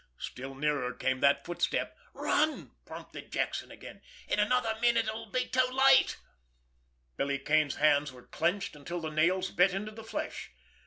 Still nearer came that footstep. "Run!" prompted Jackson again. "In another minute it will be too late!" Billy Kane's hands were clenched until the nails bit into the flesh.